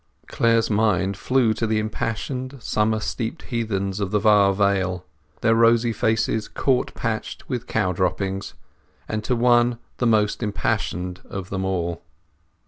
Clare's mind flew to the impassioned, summer steeped heathens in the Var Vale, their rosy faces court patched with cow droppings; and to one the most impassioned of them all.